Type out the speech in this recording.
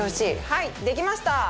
はいできました！